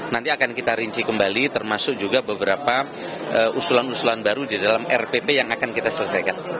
nanti akan kita rinci kembali termasuk juga beberapa usulan usulan baru di dalam rpp yang akan kita selesaikan